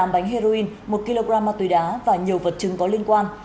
bốn mươi tám bánh heroin một kg ma túy đá và nhiều vật chứng có liên quan